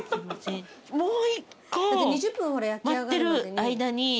もう１個待ってる間に。